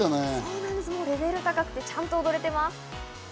レベルが高くて、ちゃんと踊れています。